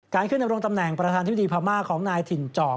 การขึ้นในโรงตำแหน่งประธานที่ดีพม่าของนายถิ่นเจาะ